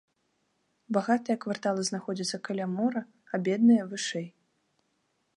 Багатыя кварталы знаходзяцца каля мора, а бедныя вышэй.